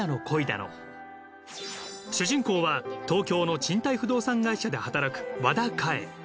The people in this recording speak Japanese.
主人公は東京の賃貸不動産会社で働く和田かえ。